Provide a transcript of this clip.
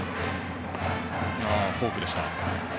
フォークでした。